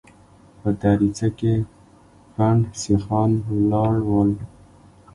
په دريڅه کې پنډ سيخان ولاړ ول.